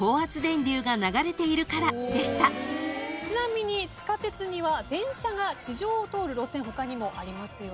ちなみに地下鉄には電車が地上を通る路線他にもありますよね。